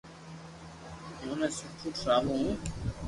اونو سٺو ٺراوُ ھون